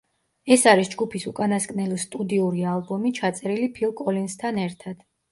ეს არის ჯგუფის უკანასკნელი სტუდიური ალბომი, ჩაწერილი ფილ კოლინზთან ერთად.